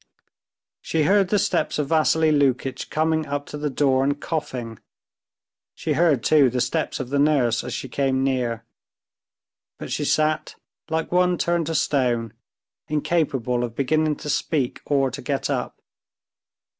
She heard the steps of Vassily Lukitch coming up to the door and coughing; she heard, too, the steps of the nurse as she came near; but she sat like one turned to stone, incapable of beginning to speak or to get up.